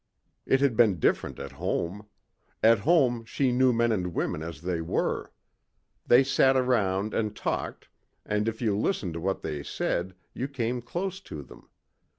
It had been different at home. At home she knew men and women as they were. They sat around and talked and if you listened to what they said you came close to them.